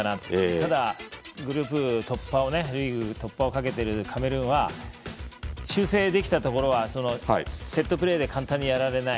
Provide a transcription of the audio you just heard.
ただ、グループ突破リーグ突破をかけているカメルーンは修正できたところはセットプレーで簡単にやられない。